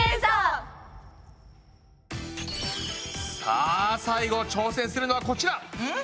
さあ最後挑戦するのはこちら！